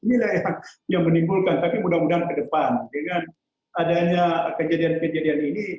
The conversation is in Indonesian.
inilah yang menimbulkan tapi mudah mudahan ke depan dengan adanya kejadian kejadian ini